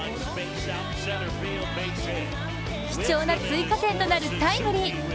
貴重な追加点となるタイムリー。